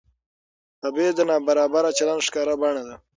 تبعیض د نابرابر چلند ښکاره بڼه ده